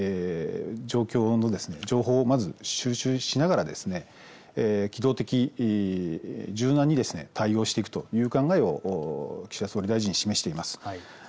状況の情報を、まず収集しながら機動的、柔軟にですね対応していくという考えを岸田総理大臣は示しています。